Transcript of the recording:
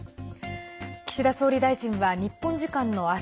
岸田総理大臣は日本時間の明日